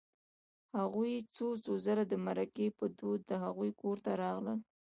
هغوی څو څو ځله د مرکې په دود د هغوی کور ته راغلل